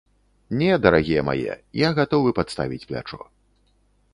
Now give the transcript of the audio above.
Не, дарагія мае, я гатовы падставіць плячо.